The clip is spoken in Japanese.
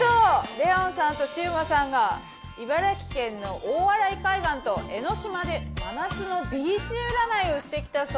レオンさんとシウマさんが茨城県の大洗海岸と江ノ島で真夏のビーチ占いをしてきたそうです。